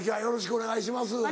お願いします。